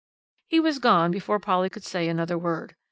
He was gone before Polly could say another word.